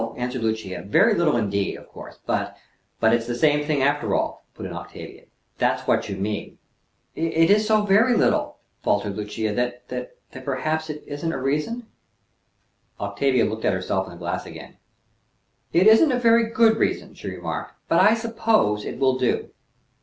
answered Lucia; "very little indeed, of course; but" "But it's the same thing after all," put in Octavia. "That's what you mean." "It is so very little," faltered Lucia, "that that perhaps it isn't a reason." Octavia looked at herself in the glass again. "It isn't a very good reason," she remarked, "but I suppose it will do."